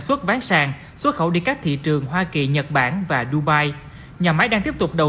xuất bán sang xuất khẩu đi các thị trường hoa kỳ nhật bản và dubai nhà máy đang tiếp tục đầu